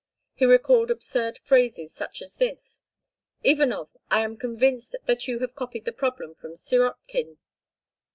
He recalled absurd phrases such as this: "Ivanov, I am convinced that you have copied the problem from Sirotkin."